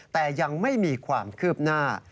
แต่ยังไม่มีความคืบหน้า